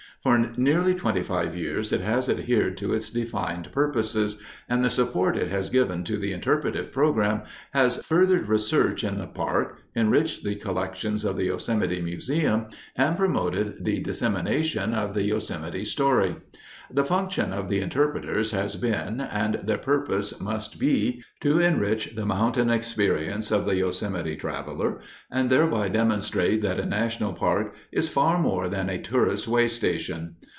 For nearly twenty five years it has adhered to its defined purposes, and the support it has given to the interpretive program has furthered research in the park, enriched the collections of the Yosemite Museum, and promoted the dissemination of the Yosemite story. The function of the interpreters has been, and their purpose must be, to enrich the mountain experience of the Yosemite traveler and thereby demonstrate that a national park is far more than a tourist's way station.